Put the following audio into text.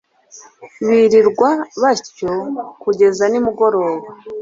birirwa batyo kugeza nimugoroba